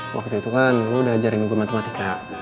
waktu itu kan lo udah ajarin gue matematika